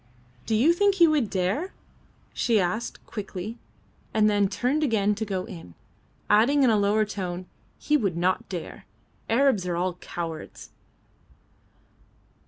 "Do you think he would dare?" she asked, quickly, and then turned again to go in, adding in a lower tone, "He would not dare. Arabs are all cowards."